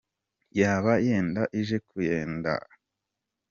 Yaba yenda ije kunyenda.